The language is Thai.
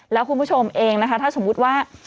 แล้วคุณผู้ชมเองนะคะถ้าสมมุติว่า